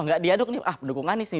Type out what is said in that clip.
ah pendukung ganis nih